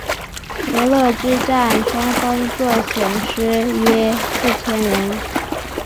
德勒之战双方各损失约四千人。